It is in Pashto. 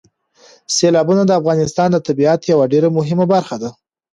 سیلابونه د افغانستان د طبیعت یوه ډېره مهمه برخه ده.